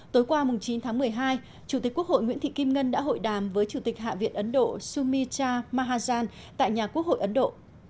tối qua chín tháng một mươi hai chủ tịch quốc hội nguyễn thị kim ngân đã hội đàm với chủ tịch hạ viện ấn độ sumicha mahazan tại nhà quốc hội ấn độ